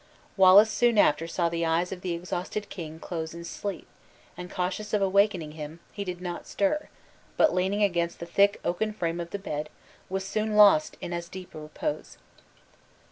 Wallace soon after saw the eyes of the exhausted king close in sleep; and cautious of awakening him, he did not stir; but leaning against the thick oaken frame of the bed, was soon lost in as deep a repose.